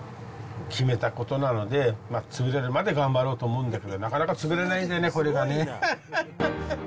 決めたことなので、潰れるまで頑張ろうと思うんだけど、なかなか潰れないんだよね、これがね。